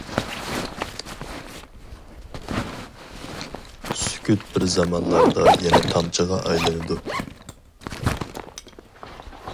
سۈكۈت بىر زامانلاردا يەنە تامچىغا ئايلىنىدۇ.